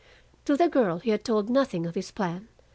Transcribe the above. To the girl he had told nothing of his plan.